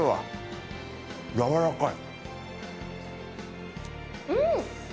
やわらかい。